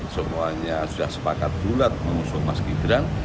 semuanya sudah sepakat bulat mengusung mas gibran